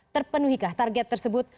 terpenuhikah target tersebut